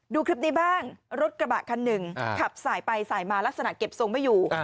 ดูคลิปนี้บ้างรถกระบะคันหนึ่งขับสายไปสายมาลักษณะเก็บทรงไม่อยู่